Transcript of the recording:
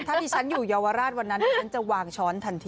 ถ้าดิฉันอยู่เยาวราชวันนั้นดิฉันจะวางช้อนทันที